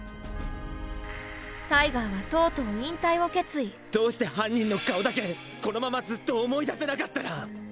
タイガーはとうとうどうして犯人の顔だけこのままずっと思い出せなかったら。